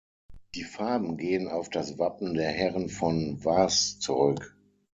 Die Farben gehen auf das Wappen der Herren von Vaz zurück.